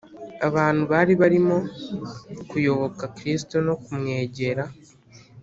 ” Abantu bari barimo kuyoboka Kristo no kumwegera